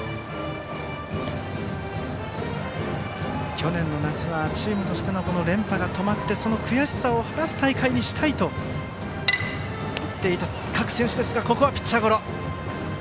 去年の夏はチームとしての連覇が止まってその悔しさを晴らす大会にしたいと言っていた各選手ですがここはピッチャーゴロ。